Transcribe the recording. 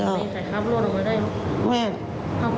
แต่คำโลมัติได้โลมัติได้โลมัติ